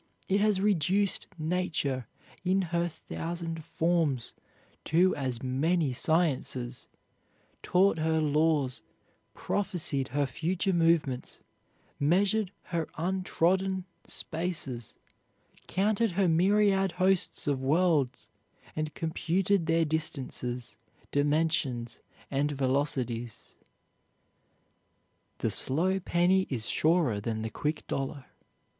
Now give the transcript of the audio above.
It has reduced nature in her thousand forms to as many sciences, taught her laws, prophesied her future movements, measured her untrodden spaces, counted her myriad hosts of worlds, and computed their distances, dimensions, and velocities. The slow penny is surer than the quick dollar.